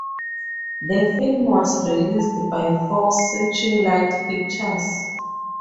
The film was released by Fox Searchlight Pictures.